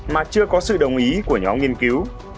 mà chưa có sự đồng ý của nhóm nghiên cứu